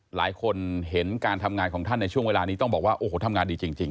หลายคนเห็นการทำงานของท่านในช่วงเวลานี้ต้องบอกว่าโอ้โหทำงานดีจริง